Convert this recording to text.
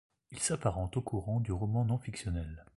Il s'apparente au courant du roman non fictionnel.